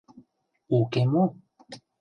Уке мо?..